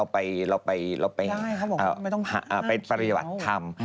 ไปปริวัติทำ